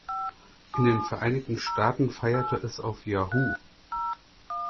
In den Vereinigten Staaten feierte es auf "Yahoo!